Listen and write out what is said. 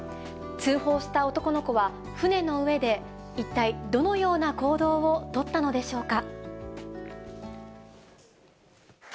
通報した男の子は、船の上で一体、どのような行動を取ったのでしょうか。